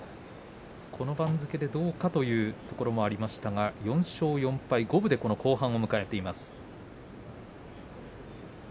この番付でどうかというところもありましたが４勝４敗、五分で後半を迎えています。